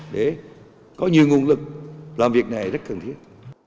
để có nhiều nguồn lực làm việc này rất cần thiết